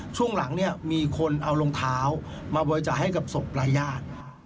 ช่วงหลังมีคนเอาลงเท้ามาบริจาค์ให้กับศพรายาท